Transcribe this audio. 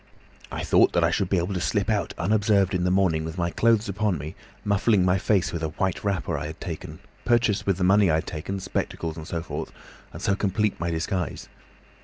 I thought that I should be able to slip out unobserved in the morning with my clothes upon me, muffling my face with a white wrapper I had taken, purchase, with the money I had taken, spectacles and so forth, and so complete my disguise.